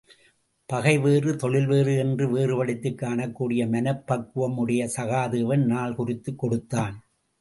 பகைவேறு தொழில்வேறு என்று வேறுபடுத்திக் காணக் கூடிய மனப்பக்குவம் உடைய சகாதேவன் நாள் குறித்துக் கொடுத்தான்.